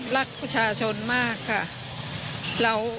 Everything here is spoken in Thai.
รักประชาชนมากค่ะ